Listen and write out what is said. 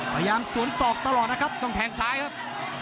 พยายามสวนศอกตลอดนะครับต้องแทงซ้ายครับ